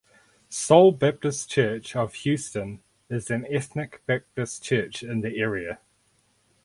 Seoul Baptist Church of Houston is an ethnic Baptist church in the area.